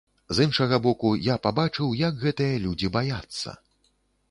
З іншага боку, я пабачыў, як гэтыя людзі баяцца.